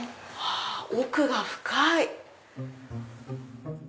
奥が深い！